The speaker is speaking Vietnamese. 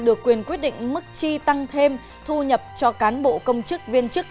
được quyền quyết định mức chi tăng thêm thu nhập cho cán bộ công chức viên chức